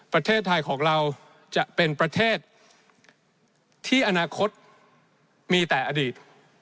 ประเทศไทยของเราจะเป็นประเทศที่อนาคตมีแต่อดีต